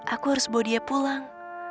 aku harus bawa dia pulang